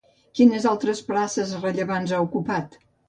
Quines altres places rellevants ha ocupat?